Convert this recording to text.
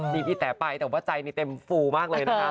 ดีไปแต่ไปแต่ผมว่าใจนี่เต็มฟูมากเลยนะคะ